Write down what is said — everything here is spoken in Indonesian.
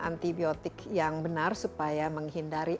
antibiotik yang benar supaya menghindari